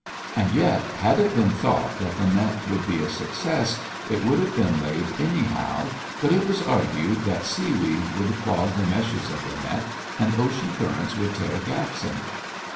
And yet had it been thought that the net would be a success it would have been laid anyhow, but it was argued that seaweed would clog the meshes of the net and ocean currents would tear gaps in it.